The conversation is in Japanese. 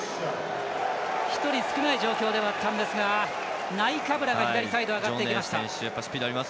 １人少ない状況ではあったんですがナイカブラが左サイド上がってきました。